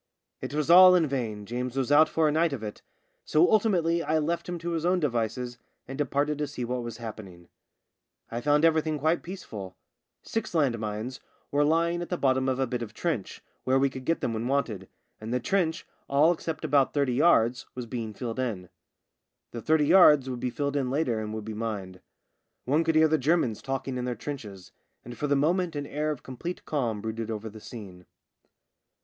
It was all in vain, James was out for a night of it, so ultimately I left him to his own devices and departed to see what was happening. I found everything quite JAMES AND THE LAND MINE 77 peaceful ; six land mines were lying at the bottom of a bit of trench where we could get them when wanted, and the trench, all except about thirty yards, was being filled in. The thirty yards would be rilled in later and would be mined. One could hear the Ger mans talking in their trenches, and for the moment an air of complete calm brooded over the scene.